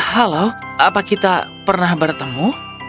halo apa kita pernah bertemu